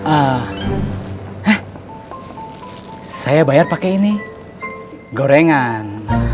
eh eh saya bayar pake ini gorengan